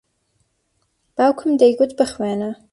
باوکم دەیگوت بخوێنە.